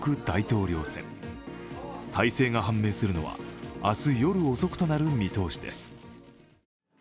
大勢が判明するのは明日夜遅くとなる見通しです。